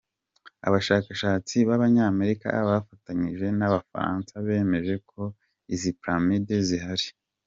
Abashakashatsi b’Abanyamerika bafatanyije n’Abafaransa bemeje ko izi Pyramides zihari.